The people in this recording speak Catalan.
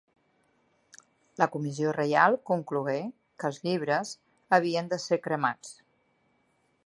La comissió reial conclogué que els llibres havien de ser cremats.